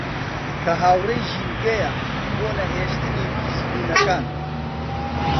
کە هاوڕێی ژینگەیە بۆ نەهێشتنی پیسبوونەکان